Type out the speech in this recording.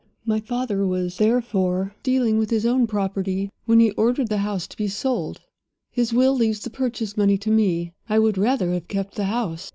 My father was therefore dealing with his own property when he ordered the house to be sold. His will leaves the purchase money to me. I would rather have kept the house.